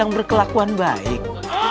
yang berkelakuan baik